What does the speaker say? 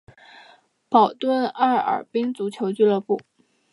保顿艾尔宾足球俱乐部。